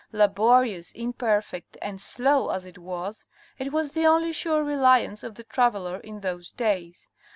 lLaborious, im perfect, and slow as it was, it was the only sure reliance of the traveler in those days.